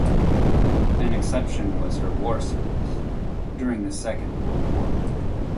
An exception was her war service; during the Second World War.